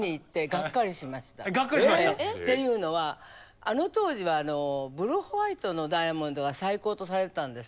がっかりしました？っていうのはあの当時はブルーホワイトのダイヤモンドが最高とされてたんですね。